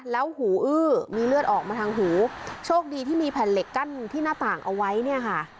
แล้วหูอื้อมีเลือดออกมาทางหูโชคดีที่มีแผ่นเหล็กกั้นที่หน้าต่างเอาไว้เนี่ยค่ะ